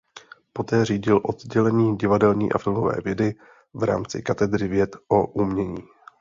Poté řídil oddělení divadelní a filmové vědy v rámci katedry věd o umění.